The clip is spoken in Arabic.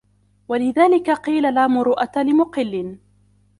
وَلِذَلِكَ قِيلَ لَا مُرُوءَةَ لِمُقِلٍّ